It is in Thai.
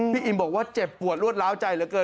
อิมบอกว่าเจ็บปวดรวดล้าวใจเหลือเกิน